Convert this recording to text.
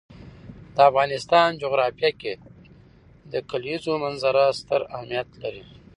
د افغانستان جغرافیه کې د کلیزو منظره ستر اهمیت لري.